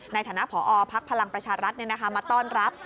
ในฐานะพอพักพลังประชารัฐมาต้อนรับ